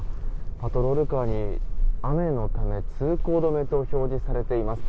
パトロールカーに雨のため通行止めと表示されています。